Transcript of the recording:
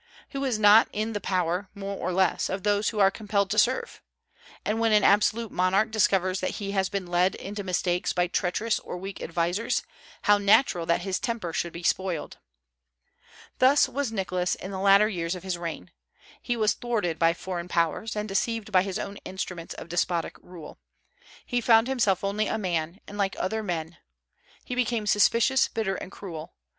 Who is not in the power, more or less, of those who are compelled to serve; and when an absolute monarch discovers that he has been led into mistakes by treacherous or weak advisers, how natural that his temper should be spoiled! Thus was Nicholas in the latter years of his reign. He was thwarted by foreign Powers, and deceived by his own instruments of despotic rule. He found himself only a man, and like other men. He became suspicious, bitter, and cruel.